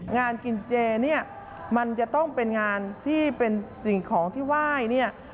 งานกินเจเนี่ยมันจะต้องเป็นงานที่เป็นสิ่งของที่ไหว้เนี่ย